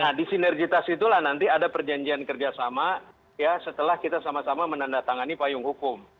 nah di sinergitas itulah nanti ada perjanjian kerjasama ya setelah kita sama sama menandatangani payung hukum